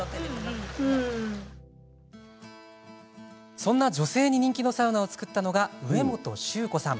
そんな女性に人気のサウナを作ったのが、植本修子さん。